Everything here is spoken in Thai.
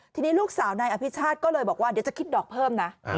ทีนี้ลูกสาวนายอภิชาติก็เลยบอกว่าเดี๋ยวจะคิดดอกเพิ่มนะ